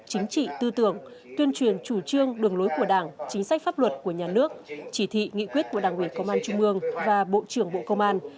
chính trị tư tưởng tuyên truyền chủ trương đường lối của đảng chính sách pháp luật của nhà nước chỉ thị nghị quyết của đảng ủy công an trung ương và bộ trưởng bộ công an